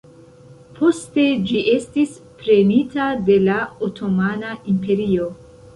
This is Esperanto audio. Poste ĝi estis prenita de la Otomana Imperio.